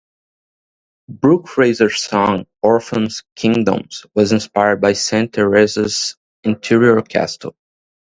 Brooke Fraser's song "Orphans, Kingdoms" was inspired by Saint Teresa's "Interior Castle".